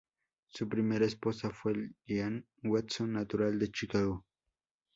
Su primera esposa fue Jeanne Watson, natural de Chicago.